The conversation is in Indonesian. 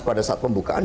pada saat pembukaan